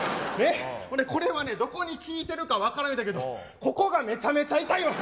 ね、これはね、どこに効いてるか分からないんだけど、ここがめちゃめちゃ痛いわ。